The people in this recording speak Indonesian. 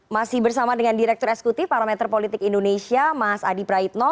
masih bersama dengan direktur eskuti parameter politik indonesia mas adi praitno